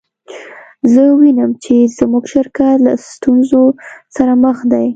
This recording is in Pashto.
زه وینم چې زموږ شرکت له ستونزو سره مخ دی